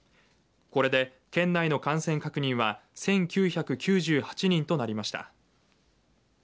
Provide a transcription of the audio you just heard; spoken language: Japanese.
これで県内の感染確認は１９９８人となりました。